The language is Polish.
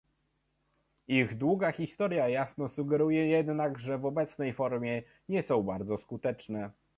Ich długa historia jasno sugeruje jednak, że w obecnej formie nie są bardzo skuteczne